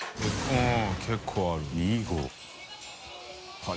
うん。